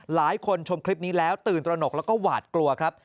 ชมคลิปนี้แล้วตื่นตระหนกแล้วก็หวาดกลัวครับ